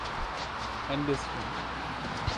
Ein bischen.